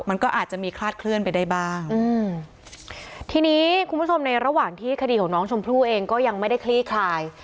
มันก็อาจจะมีคลาดเคลื่อนไปได้บ้างอืมทีนี้คุณผู้ชมในระหว่างที่คดีของน้องชมพู่เองก็ยังไม่ได้คลี่คลาย